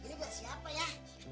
ini buat siapa ya